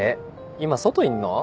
今外いんの？